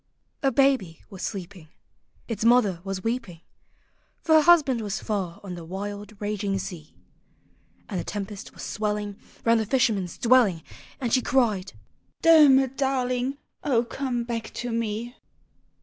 "] A baby was sleeping; Its mother was weeping; For her husband was far on the wild raging sea ; And the tempest was swelling Round the fisherman's dwelling; And she cried, " Dermot. darling! O come back to me